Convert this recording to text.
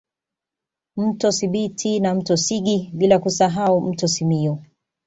Mto Sibiti na mto Sigi bila kusahau mto Simiyu